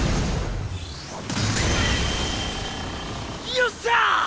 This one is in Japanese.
よっしゃ！